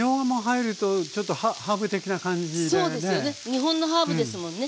日本のハーブですもんね。